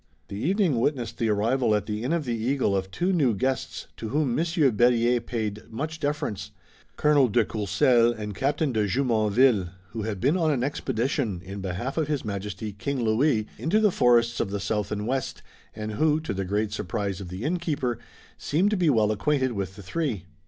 The evening witnessed the arrival at the Inn of the Eagle of two new guests to whom Monsieur Berryer paid much deference, Colonel de Courcelles and Captain de Jumonville, who had been on an expedition in behalf of His Majesty, King Louis, into the forests of the south and west, and who, to the great surprise of the innkeeper, seemed to be well acquainted with the three.